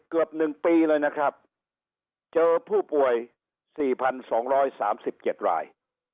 เกือบหนึ่งปีเลยนะครับเจอผู้ป่วยสี่พันสองร้อยสามสิบเจ็ดราย